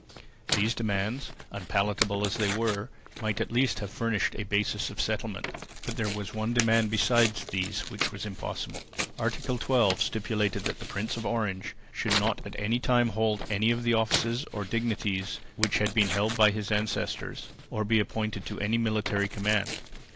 These demands, unpalatable as they were, might at least have furnished a basis of settlement, but there was one demand besides these which was impossible. Article 12 stipulated that the Prince of Orange should not at any time hold any of the offices or dignities which had been held by his ancestors, or be appointed to any military command.